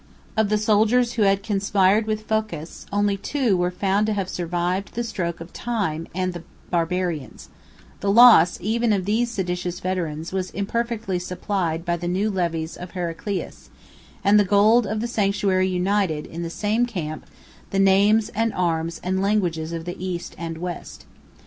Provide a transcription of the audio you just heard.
76 Of the soldiers who had conspired with Phocas, only two were found to have survived the stroke of time and of the Barbarians; 77 the loss, even of these seditious veterans, was imperfectly supplied by the new levies of Heraclius, and the gold of the sanctuary united, in the same camp, the names, and arms, and languages of the East and West.